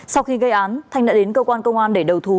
sau khi gây án thanh đã đến cơ quan công an để đầu thú